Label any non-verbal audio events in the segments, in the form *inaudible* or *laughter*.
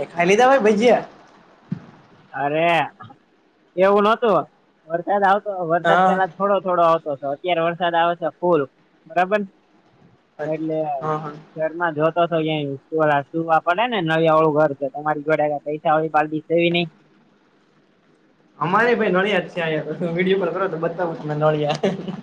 એ ખાઈ લીધા ભાઈ ભજીયા? અરે એવું નોતું વરસાદ આવતો વરસાદ હા પેલા થોડો થોડો આવતો હતો. અત્યારે વરસાદ આવે છે ફુલ બરાબર એટલે હા હા સર જોતો તો ક્યાંય ઓલા સુવા પડે ને નળિયાવાળું ઘર છે. તો તમારી જોડે પૈસાવાળી પાર્ટી તો છે નઈ અમારે ભાઈ નળિયાજ છે. અહીંયા વિડીયો કોલ કરો તો બતાવું તમને નળિયા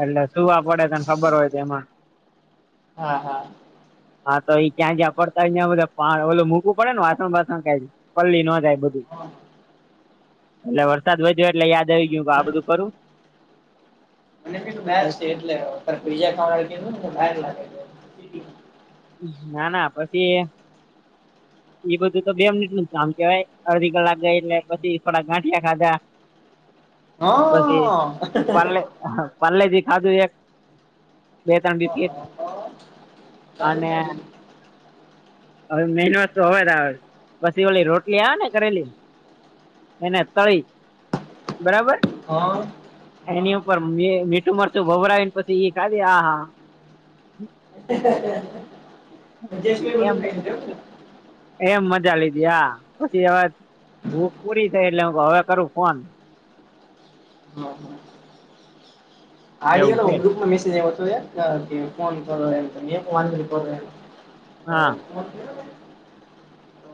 એટલે સુવા પડે એને ખબર હોય તો એમાં હા હા. હા તો એ જ્યાં જ્યાં પડતાં હોય ત્યાં, ઓલુ મૂકવુ પડે ને વાસણ બાસણ કાઈ પલળી નો જાય. એટલે વરસાદ વધી ગયો એટલે યાદ આવી ગયું આ બધું કરું. અને બે છે પછી- એટ લ ત બીજા ક લ *inaudible* ના ના પછી. એ બધું તો બે મિનિટ નું જ કામ કેવાય. અડધી કલાક ગઈ એટલે પછી થોડા ગાંઠિયા ખાધા હા પછી હા પારલે પારલેજી ખાધું એક. બે ત્રણ *unintelligible* અને અવે મે અવે તો પછી ઓટલી રોટલી આવે ને તરેલી. એને તળી બરાબર. હ. એની ઉપર મીઠું મરચું ભભરાવી ને પછી ઈ ખાધી આ હા હા. *unintelligible* બધું એમ થાય એમ. એમ મજા લીધી હા પછી હવે ભૂખ પૂરી થઈ, એટલે હું કવ હવે કરું ફોન. *inaudible* એવું છે આડયોના ગ્રુપમાં મેસેજ આવ્યો હતો. ફોન કરો એમ કરીને. હા. ફોન કરેલો?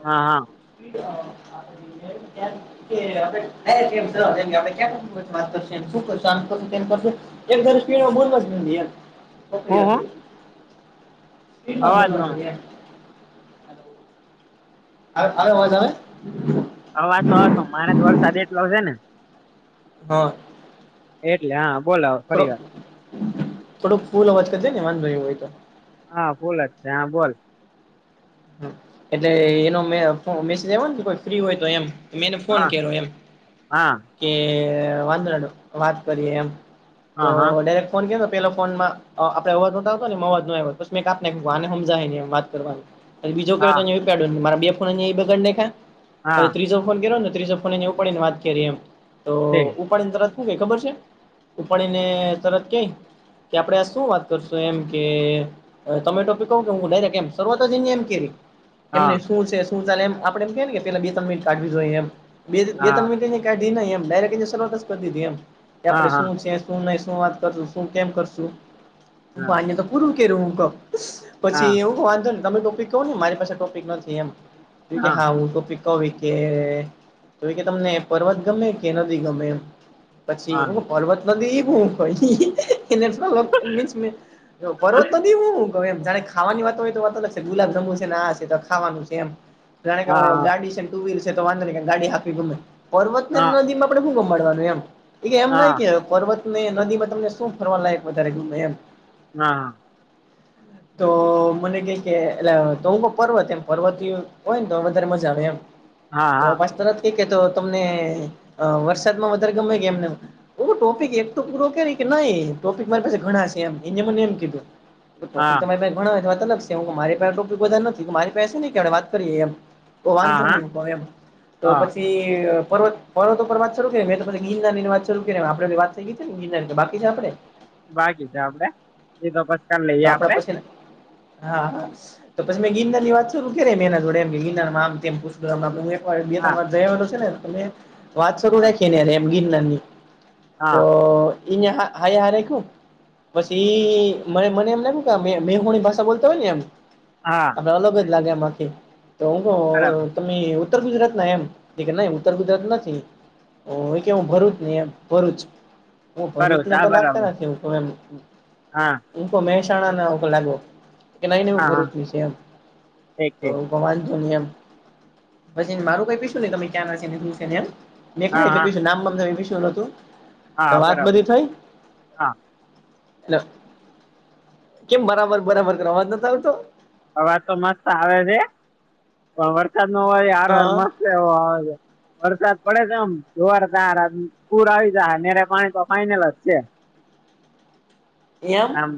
હા હા. *unintelligible* વાત કરશું અમે શું કરશું? આમ કરશુ તેમ કરશુ વાત કરશું અમ એમ તેમ સ્પીડમા બોલતો જ ગયો, એમ હું હું છોકરી હતી. સ્પીડ માં અવાજ નો બોલવાનું એમ. આવે, અવાજ આવે? અવાજ તો આવે પણ મારે જ વરસાદ એટલો છે ને..... *unintelligible* હા. એટલે હા બોલ હવે! થોડોક થોડો ફૂલ અવાજ કરી દે ને વાધો ન એવું હોય તો. હા ફુલજ છે હા બોલ! હમ એટલે એનો મે ફો મેસેજ આયવો ને કે કોઈ ફ્રી હોય તો એમ. મે એને ફોન હા કર્યો એમ. હા કે વાધો નો વાત કરીએ એમ. તો હા હા ડાયરેક ફોન કર્યો પેલો ફોનમાં અ આપણે અવાજ નોતો આવતો ન એમાં અવાજ નો આયવો પસ મે કાપ નાખ્યો આને હમજાય નહી વાત કરવાની. જો કર્યો હા તેનું ઉપાડ્યો મારા બે ફોન અહીં બગાડી નાયખા. હા અવે ત્રીજો ફોન કર્યો ને ત્રીજો *unintelligible* ઉપાડીની વાત કરીએ એમ. તો ઉપાડીને તરત હું કેય ખબર છે. ઉપાડીને તરત કેઈ કે આપણેે આ શું વાત કરશું એમ કે અ તમે ટોપી કવ કે હું ડાયરેક્ટ કેમ શરૂઆતો જ એની એમ કયરી. એમને શું છે શું ચાલે એમ આપણે એમ કેયને કે પેલા બે ત્રણ મિનિટ કાઢવી જોઈએ એમ. બે બે ત્રણ મિનિટ કાઢીની એમ ડાયરેક્ટ એની શરૂઆત જ કર દીધી એમ કે આપડે શું છે શું નઈ, શું વાત કરશું, શું કેમ કરશું. તો આને તો પૂરું કર્યું હું કવ. પછી એવું વાધો નઈ તમે ટોપિક કવ ને મારી પાસે ટોપિક નથી એમ. ઈ કે હા હું ટોપિક તોવી કે તોઈ કે તમને પર્વત ગમે કે નદી ગમે એમ. પછી હું પર્વત નદી હું કંઈ હીહી. *unintelligible* પર્વત નદી હું તો એમ જાણે ખાવાની વાત હોય તો વાત અલગ છે. ગુલાબ જાંબુ છે આ છે તો ખાવાનું છે એમ. જાણે કે હ ગાડી છે ટુ વીલ છે તો વાંધો નઈ કે ગાડી હાકવી ગમે. પર્વત અને નદીમાં પ્રભુનો મડવાનું એમ તો કે હાં હાં એમ નઈ કે પર્વત ને નદીમાં તમને શું ફરવા લાયક વધારે ગમે એમ. હા. તો મને કેઈ કે *unintelligible* પર્વત એમ પર્વતીય હોય ને તો વધારે મજા આવે એમ. તો હાં પછી તરત એ કેતો તમને વરસાદમાં વધારે ગમે કે એમને એમ. ઓકે એક તો પૂરો કરી કે નઈ ટોપિક મારી પાસે ઘણાં છે એમ એણે મને એમ કીધું. ટોપિક હાં તમારી પાસે ઘણાં હોય તો વાત અલગ છે મારી પાસે ટોપિક વધારે નથી મારી પાસે છે ને કે આપણે વાત કરીએ એમ. તો વાંધો હાં નહી મુ કઉ એમ તો હાં પછી પર્વત પર્વતો પર વાત શરૂ થઈ, એટલે પછી ગિરનાર ની ને વાત શરૂ થઈ ન આપડે વાત થઈ ગીતી ને ગિરીનાર ની કે બાકી છે આપડે. બાકી છે આપડે. એ તો પસ કાલ લઈ. તો આપણા પછી ને. હા હા તો પછી મેં ગીરનારની વાત શરૂ કરી મેં એના જોડે એમ ગીરનારમા આમ તેમ પુછ એક વાર, બે હા ત્રણ વાર જય આવલો છે ને ત મે વાત શરૂ હા રાખીએ ને એમ ગિરનાર ની તો હા એને હા હાએ હા રાખ્યું પસી મને મને એમ લાગ્યું કે આ મે મેહુણી ભાષા બોલતા હોય ને એમ. હા. અલગ જ લાગે માંખે તો હું કહું આરામ. તમે ઉત્તર ગુજરાત ના એમ તે કે નહીં ઉત્તર ગુજરાત નથી. ઓ કે હું ભરૂચ ન એમ ભરૂચ હું બરોબર ભરૂચને તો હા બરાબર લાગતા નથી હું કહું એમ. હા. ઊં ખો મહેસાણા નાં લાગો કે નહી ને એહુ હા હા ભરૂચ ની છે એમ ઠીક તો ઠીક તો વાંધો નહી એમ પછી મારું કઈ પીછું નહીં તમે ક્યાં નાશે ને છેને એમ. મૈં ખાલી હા તો હા પુશુ નામ બામ *unintelligible* પુશું નતું. તો હા વાત બરાબર બધી થઈ. હા કેમ બરાબર બરાબર કર અવાજ નતો આવતો? અવાજ તો મસ્ત આવે છે પણ વરસાદનો અવાજ હારોહાર હા મસ્ત એવો આવે છે. વરસાદ પડે છે આમ જોરદાર પુર આવી જા હે નેરે પાણી તો ફાઈનલ જ છે. એમ આમ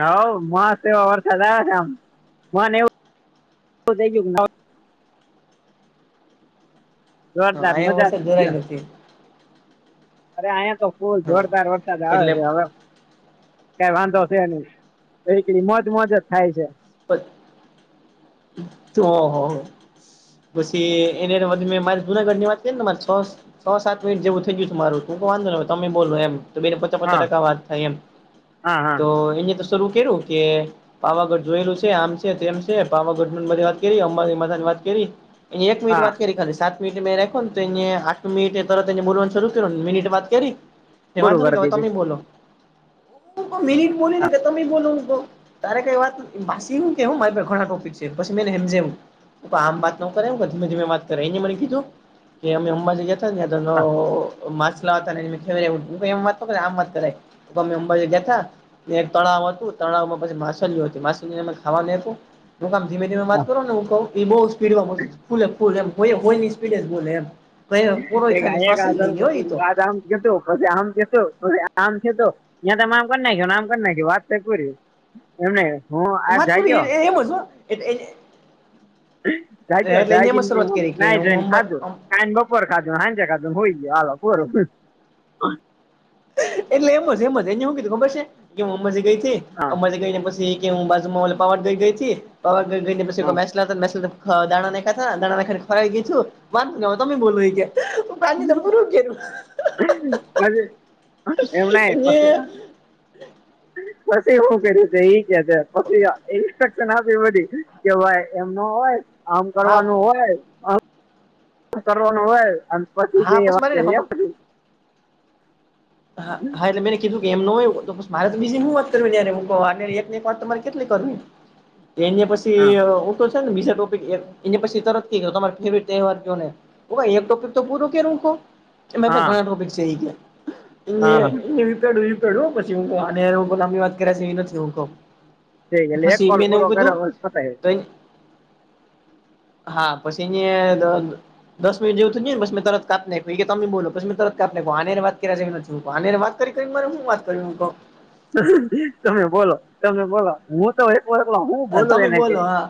હોવ મસ્ત એવા વરસાદ આવે છે આમ મન એવું થઈ ગયું જોરદાર અહીંયા મજા વરસાદ જ છે જરાય નથી. અરે અહીંયા તો ફૂલ હા જોરદાર વરસાદ આવે એટલે છે હવે કઈ વાંધો છે નહી એ મોજ મોજ જ થાય છે. *unintelligible* પછી એને મારી જુનાગઢની વાત કે ને માર છો છ સાત મિનિટ જેવું થઈ ગયું મારું તું તો વાંધો ને હવે તમે બોલો એમ. તો બેને પચા પચા હા ટકા વાત થાય એમ હા હા તો એને તો શરુ કરું કે પાવાગઢ જોયેલું છે આમ છે તેમ છે પાવાગઢની બધી વાત કરી અંબામાતાની વાત કરી એક મિનિટ હા વાત કરી ખાલી સાત મિનિટ મેં રાખ્યો તો એને આઠ મિનિટ તરત તેને બોલવાનુ શરૂ કર્યું ને મિનિટ વાત કરી એ પૂરું વાંધો નહી કરી કે હવે દીધું તમે બોલો, મિનિટ બોલી ને કે તમે બોલો હું કહું તારે કઈ વાત પાસી ઈમ કે હું મારી ઘણા ટોપિક છે પછી મે એને હમજાયુ તો આમ વાતનો કરાય ધીમે ધીમે વાત કરાય એને મને કીધું કે અમે અંબાજી ગ્યા તા ત્યાં તો હા માછલા હતા એન ખત હું કહું એમ વાત ન કરાય આમ વાત કરાય, તો અમે અંબાજી ગ્યાતા. એક તળાવ હતું તળાવમાં પછી માછલીઓ હતી માછ ખાવાનુ દેતુ હું કામ ધીમે-ધીમે વાત હા કરો ને હું કું એ બહુ સ્પીડમાં બોલ ફૂલે ફૂલ એમ હોય હોયની સ્પીડએ બોલે એમ. કઈ *unintelligible* પોરોય પછી ખાલી શ્વાસ લઈ લે હોય તો આમ છે આમ છે તો ત્યાં તમે આમ કરી નાખીને આમ કરી નાખી વાત થઈ પુરી એમને હું આજ જાગ્યો. તેવો જ હો *unintelligible* જાગ્યો એટલે એને એમ જ જાગીમે શરૂઆત કરી કે નાઈ હું ધોઈ અંબા ખાધું. કાન બપોર ખાધું, સાંજે ખાધું ને હુઈ ગયો હાલો પૂરું. એટલે એમ જ એમ જ એને શું કીધું ખબર છે કે હું અંબાજી ગઈ, હા અંબાજી ગઈ ને પછી કે હું બાજુમાં પાવાગઢ ગઈ થી, પાવાગઢ ગઈને પછી હા દાણા નાખ્યા હતા દાણા નાખા *unintelligible* વાંધો નય તમે બોલો એ કે *unintelligible* પછી એમને ને પતે. પછી શું કર્યું *unintelligible* ઇન્સ્ટ્રક્શન આપી બધી કે ભાઈ એમ ન હોય આમ હા કરવાનું હોય. આમ કરવાનું હોય, અને પછી હા જે વાત મારે ને કરી હમ એમ. હા હા એટલે, મે એને કીધું કે એમ ન હોય તો પછી મારે તો બીજી હું વાત કરવી અત્યારે એકને એક વાત કેટલી કરવી એને હા પછી હું તો છે ને બીજા ટોપિક એ પછી તરત કે તમારો ફેવરેટ તહેવાર કયો ને ઓ ભાઈ એક ટોપિક તો પૂરો કર તું હરખો એ માર પાહે હા ઘણા ટોપિક છે એ કે. *unintelligible* હા હા. હું કવ આની હારે બોવ લાંબી વાત કર્યા જેવી નથી હું કવ. ઠીક એટલે એક પછી કોલ મે એને એવું પૂરો કીધું કર્યો બસ પતાવી તઈ હા પછી ન્યા *inaudible* દસ મિનીટ જેવું થઈ ગયું ને પછી મેં તરત કાપી નાખ્યો ઈકે તમે બોલો પછી મેં તરત કાપી નાખ્યું આની હારે વાત કર્યા જેવું નથી. મું કઉં આની હારે વાત કરી કરી ને મારે હું વાત કરવી હું કઉં. તમે બોલો, તમે બોલો હું તો એક વલો હું બોલું તમે એને બોલો કઈ. હા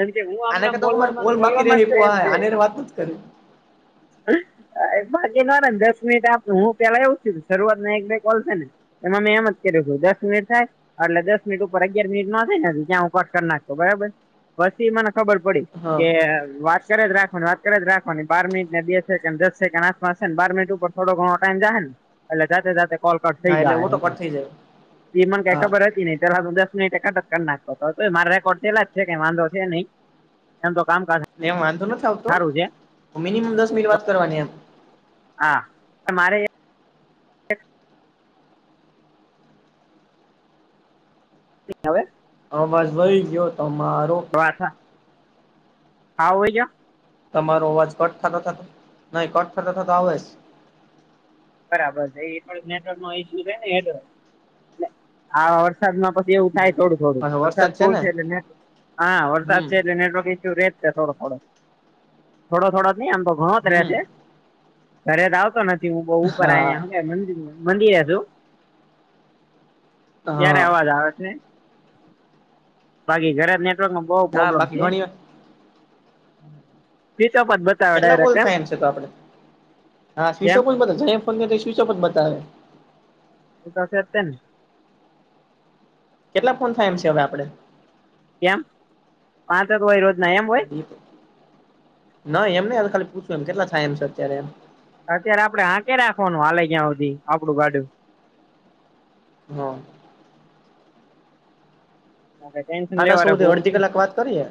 એન કઈ હું આમને આના આમ કરતા મારે બોલવામાને કોલ બાકી રે બોલવામાં જ તે એન કે આને વાત નથી કરી એ બાકીના રેને દસ મિનિટ આપ હું પેલા એવું જ થયું તું શરૂઆતમાં એક બે કોલ છેને. એમાં મેં એમજ કર્યું તું, દસ મિનિટ થાય. એટલે દસ મિનિટ ઉપર અગિયાર મિનિટ નો થાય ને, ત્યાં હું કટ કરી નાખતો બરાબર. પછી મને ખબર પડી હા કે વા કર્યા જ રાખવાની વાત કરે જ રાખવાની બાર મિનિટ ને બે સેકન્ડ દસ સેકન્ડ હાથમાં છે ને બાર મિનટ ઉપર થોડો ઘણો ટાઈમ જાય ને. એટલે જાતે જાતે કોલ કટ થઇ હા એટલે જાહે ઓટો હું કઉં. કટ થઈ જાય એ મને કઈ હા ખબર હતી નઈ પહેલા તો હું દસ મિનિટે કટ કરી નાખતો તો. તોય મારા રેકોર્ડ પેલા જ છે કે કેય વાંધો છે નહીં એમ તો કામકાજ એમ વાંધો નથી આવતો, સારું છે પણ મિનિમમ દસ મિનિટ વાત કરવાની એમ. હા, તમારે *inaudible* હવે અવાજ વહી ગયો તમારો. વાથા હાવ વઈ ગયો? તમારો અવાજ કટ થતો થતો નહી, કટ થતા થતા આવે છ. બરાબર છે. એ થોડોક નેટવર્કનો ઇસ્યુ છે ને એટલે આવા વરસાદમાં પછી એવું છે થાય થોડું થોડું પાછો વરસાદ ફુલ ને છે, એટલે નેટ હા વરસાદ હમ છે એટલે નેટવર્ક ઇસ્યુ રેજ. તે થોડો થોડો. થોડો થોડો નહીં આમ તો ઘણો જ હમ રહેશે. ઘરે તો આવતો નથી. હું બઉ ઉપર હા અહીંયા હું કહેવાય મંદિરમાં મંદિરે છું. ત્યારે હા અવાજ આવે છે. બાકી ઘરે તો નેટવર્કનો બોવ હા પ્રોબ્લેમ બાકી છે. ઘણી વાર સ્વીચઓફ જ બતાવે કેટલા ડાયરેક્ટ કોલ એમ? થાય છે તો આપડે હા કેમ સ્વિચઓફ જ બતાવે જહીં એ ફોન કર્યો તઈ સ્વિચૉફ જ બતાવે. એ તો છે જ તેને. કેટલા ફોન થાય એમ છે હવે આપડે? કેમ? પાંચ જ હોય રોજના એમ હોય? નઈ એમ નઈ આતો ખાલી પૂછું, એમ કેટલા થાય એમ છે, અત્યારે એમ. અત્યારે આપડે હાકે રાખવાનું હાલે ત્યાં સુધી આપડું ગાડું. હા અને ટેન્શન સાડા લેવા રે *inaudible* સૌથી અડધી કલાક વાત કરીએ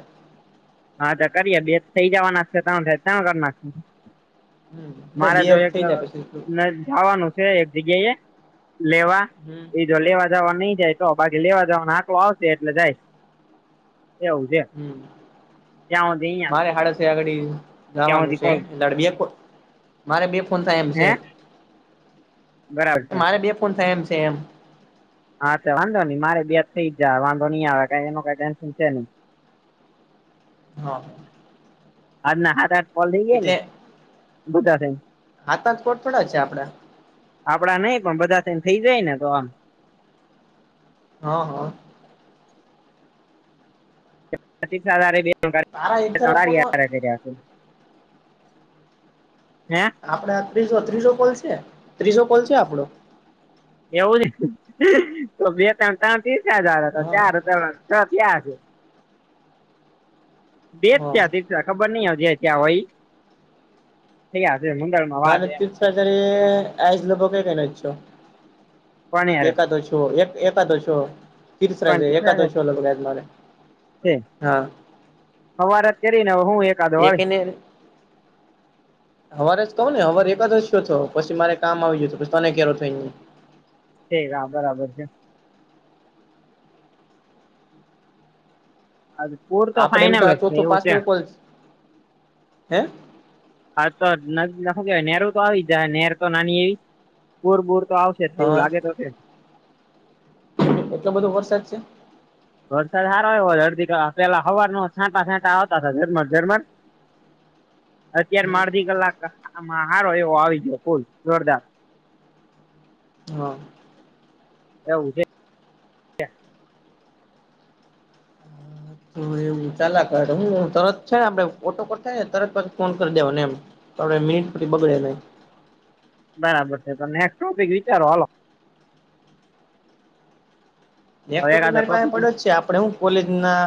હા તે કરીએ બે થઇ જવાના છે તણ થશે તો તણ કર નાખશું. હમ નઈ મારે બે જો એક થઈ જાય પછી જાવાનું છે એક જગ્યાએ. લેવા હમ એ જો લેવા જાવા નઈ જાય તો બાકી લેવા જાવાનો હાકલો એટલે જાઈશ એવું છે હમ્મ ત્યાં સુધી અહિયાં મારે હાડા છ આ ઘડી ત્યાં જાવાનું સુધી છે કોલ એટલે આપડે બે *unintelligible* મારે બે ફોન થાય એમ હે છે. બરાબર એ છે મારે બે ફોન થાય એમ છે એમ. હા તે વાંધો નઈ મારે બે થઈ જ જાહે વાંધો નઈ આવે કઈ એનું કઈ ટેન્શન છે નઈ. હા આજના હાત આથ કોલ થઈ જાય ને, બધા થઈને. હાત આથ કોટ થોડા છે, આપડા. આપડા નઈ પણ બધા થઈને, થઈ જાય ને, તો આમ. હા, હા. તારા એક તારા ફોનમાં *unintelligible* હે. આપડે આ ત્રીસો-ત્રીસો કોલ છે, ત્રીસો કોલ છે આપડો. એવું છે, તો બે-ત્રણ, ત્રણ ત્રીસ થયો હતો, હા ચાર-ત્રણ થયા હસે. બે જ હા થયા છે, ખબર નઈ હવે જે થયા હોય, ઈ થયા હસે મંગળ માને તીર્થ આઈજ લોકો પણ યાર એકાદશો એક-એકાદશો તિરસ પણ તીર્થા છે. એકાદશો લગ્ન મારે. છે, હા હવારે તો કરીને હું એક એકે ની. હવારે જ કઉ ને, હવારે એકાદશ થયો, પછી મારે કામ આવી ગયું. *unintelligible* *unintelligible* આપડે એમ તો જ છે આતો એવું પાંચમો કોલ છે, હે? હા, તો આ નાદીના હુ કેવાય નેરુતો આવી જાહે, નેર તો નાની એવી પૂર બૂર તો આવે. શે તેવું હા લાગે તો છે? એટલો બધો વરસાદ છે. વરસાદ હારો હે અડધી કલાક પેલા હવારનો છાંટા-છાંટા આવતા તા, ઝરમર-ઝરમર. અત્યારમાં અડધી કલાકમાં આમ હારો એવો આવી ગયો, ફુલ જોરદાર. હા. એવું છે. હમ્મ એવું, હું તરત છેને, આપડે ઓટોકટ થાય ને, તરત પછી ફોન કરી દેવા ને એમ. તો આપણે મિનિટ પછી બગડે નહીં. બરાબર છે, તો નેક્સ્ટ ટોપિક વિચારો હાલો. એક હવે ટોપિક એકાદો મારી પાહે પડ્યો જ છે, આપડે હું કોલેજ ના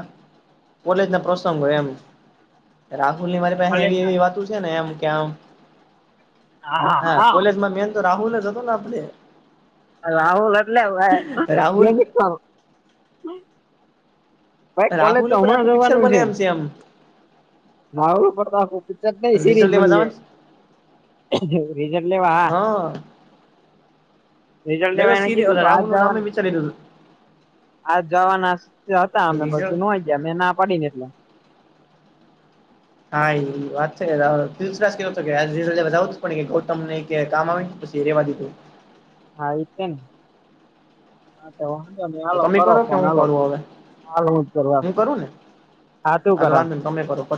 કોલેજ ના પ્રસંગ હોય એમ. રાહુલની મારી પાસે એવી કોલેજમાં એવી વાતો છે ને, એમ કે આમ હા, કોલેજમાં મેન તો રાહુલ જ હતો ને, આપણે. રાહુલ એટલે રાહુલ ભાઈ કોલેજ તો હમણાં જ જોવાનું છે. કેમ? રાહુલ પર તો આખુ પિક્ચર નઈ સિરીઝ રિઝલ્ટ એમાં બની જવાનું જાય, રીઝટ લેવા હા. હા. રિઝલ્ટ મેં તો લેવા, એને સીરી કીધુંતું આજ રાહુલ નું જવાનું. નામે વિચારી લીધું આ જવાના હતા, અમને રિઝલ્ટ પછી ન ગયા મેં, ના પડીને એટલે. હા, એ વાત છેસ કે હતો કે, ર આવું જ પણ ગૌતમને કે કામ આવે. *unintelligible* હા, એ તો હા, તો વાંધો તો નહી, ઓ તમે કરો ફોન કે હું આાલ કરું હવે હાલ હજ કરવા. હું કરું ને હા, તું કર. તો વાંધો તમે કરરો પ